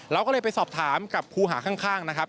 เราก็เลยไปสอบถามกับครูหาข้างนะครับ